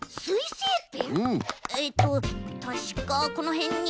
えっとたしかこのへんに。